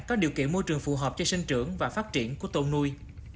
có điều kiện môi trường phù hợp cho sinh trưởng và phát triển của tôm nuôi